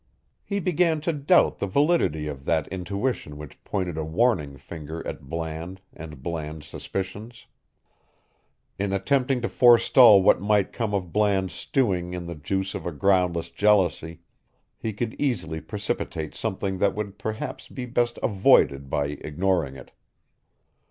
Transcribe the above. He began to doubt the validity of that intuition which pointed a warning finger at Bland and Bland's suspicions. In attempting to forestall what might come of Bland's stewing in the juice of a groundless jealousy, he could easily precipitate something that would perhaps be best avoided by ignoring it.